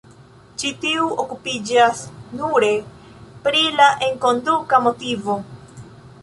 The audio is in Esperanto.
Ĉi tiu okupiĝas nure pri la enkonduka motivo.